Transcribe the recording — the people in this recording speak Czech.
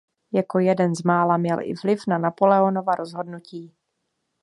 Jako jeden z mála měl i vliv na Napoleonova rozhodnutí.